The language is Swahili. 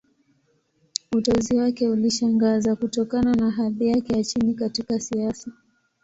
Uteuzi wake ulishangaza, kutokana na hadhi yake ya chini katika siasa.